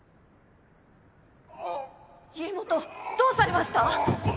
家元どうされました！？